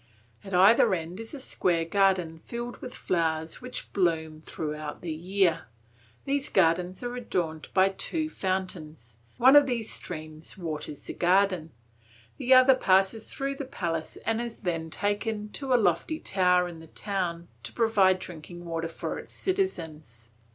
At either end is a square garden filled with flowers which bloom throughout the year, these gardens are adorned by two fountains, one of these streams waters the garden, the other passes through the palace and is then taken to a lofty tower in the town to provide drinking water for its citizens.'